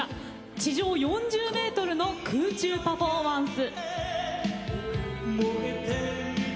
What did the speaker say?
地上４０ｍの空中パフォーマンス。